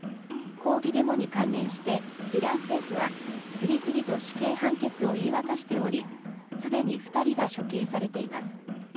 抗議デモに関連してイラン政府は次々と死刑判決を言い渡しておりすでに２人が処刑されています。